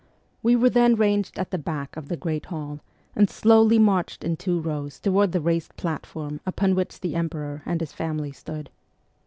We were then ranged at the back of the great hall, and slowly marched in two rows toward the raised platform upon which the Emperor and his family stood.